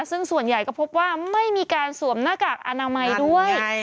ซึ่งส่วนใหญ่ก็พบว่าไม่มีการสวมหน้ากากอนามัยด้วย